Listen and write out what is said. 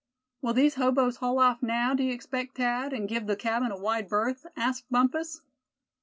"Will these hoboes haul off now, do you expect, Thad, and give the cabin a wide berth?" asked Bumpus.